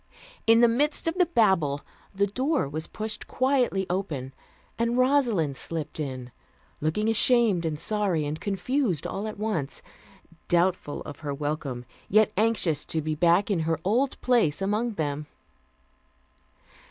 In the midst of the Babel the door was pushed quietly open, and Rosalind slipped in, looking ashamed and sorry and confused all at once; doubtful of her welcome, yet anxious to be back in her old place among them.